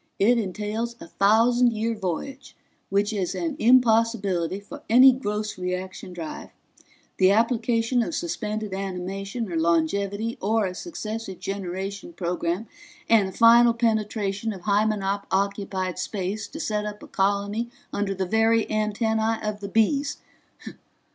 "It entails a thousand year voyage, which is an impossibility for any gross reaction drive; the application of suspended animation or longevity or a successive generation program, and a final penetration of Hymenop occupied space to set up a colony under the very antennae of the Bees.